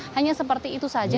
hanya seperti itu saja